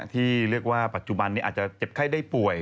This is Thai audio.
ที่เรียกว่าปัจจุบันนี้อาจจะเจ็บไข้ได้ป่วย